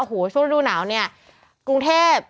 วันดูหนาวในกรุงเทพ